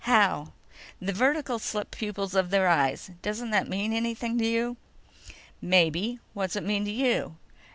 "How?" "The vertical slit pupils of their eyes. Doesn't that mean anything to you?" "Maybe. What's it mean to you?"